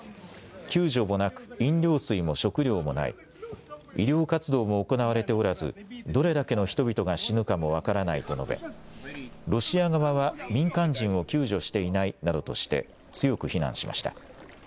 救助もなく、飲料水も食料もない医療活動も行われておらずどれだけの人々が死ぬかも分からないと述べロシア側は民間人を救助していないなどとして強く非難しました。